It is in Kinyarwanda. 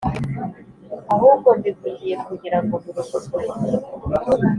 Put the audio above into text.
Ahubwo mbivugiye kugira ngo mukizwe